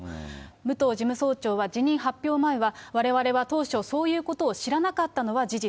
武藤事務総長は辞任発表前は、われわれは当初そういうことを知らなかったのは事実。